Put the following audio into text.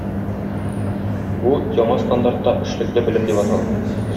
Бу - яңа стандартта эшлекле белем дип атала.